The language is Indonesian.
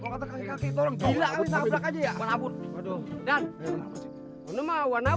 gila kali tak belakang aja ya